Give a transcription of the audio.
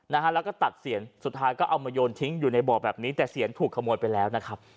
นะฮะแล้วก็ตัดเสียนสุดท้ายก็เอามาโยนทิ้งอยู่ในบ่อแบบนี้แต่เสียนถูกขโมยไปแล้วนะครับ